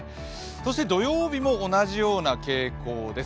そして土曜日も同じような傾向です。